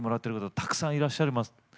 たくさんいらっしゃいます。